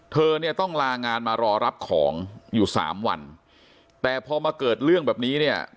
เธอเนี่ยต้องลางานมารอรับของอยู่สามวันแต่พอมาเกิดเรื่องแบบนี้เนี่ย